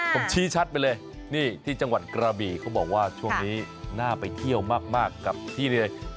ผมชี้ชัดไปเลยนี่ที่จังหวัดกระบีเขาบอกว่าช่วงนี้น่าไปเที่ยวมากกับที่เลย